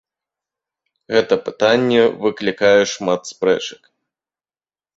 Гэта пытанне выклікае шмат спрэчак.